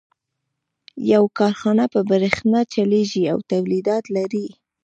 يوه کارخانه په برېښنا چلېږي او توليدات لري.